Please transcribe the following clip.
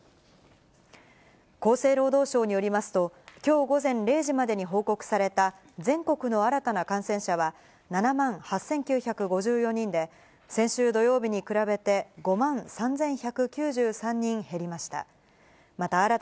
厚生労働省によりますと、きょう午前０時までに報告された、全国の新たな感染者は、７万８９５４人で、先週土曜日に比べて、５万３１９３人減りました。